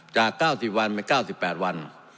จาก๙๐วันไป๙๘วัน